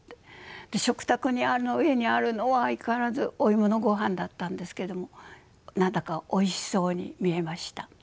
食卓の上にあるのは相変わらずお芋のごはんだったんですけれども何だかおいしそうに見えました。